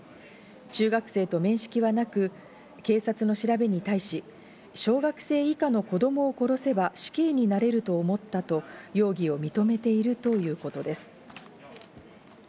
中学生と面識はなく、警察の調べに対し、小学生以下の子供を殺せば死刑になれると思ったと容疑を認めているということです。